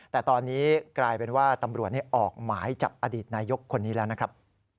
แต่ตอนนี้กลายเป็นว่าตำรวจออกหมายจับอดีตนายกคนนี้แล้วนะครับ